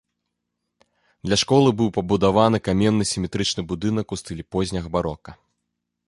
Для школы быў пабудаваны каменны сіметрычны будынак у стылі позняга барока.